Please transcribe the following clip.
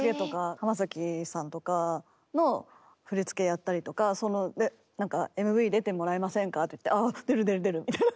浜崎さんとかの振り付けやったりとかで何かＭＶ出てもらえませんかっていってああ出る出る出るみたいな。